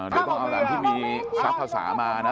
เดี๋ยวต้องเอาแหลมที่มีทรัพย์ภาษามานะ